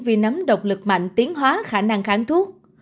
vì nấm độc lực mạnh tiến hóa khả năng kháng thuốc